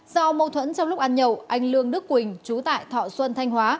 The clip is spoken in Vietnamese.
do mâu thuẫn trong lúc ăn nhậu anh lương đức quỳnh chú tại thọ xuân thanh hóa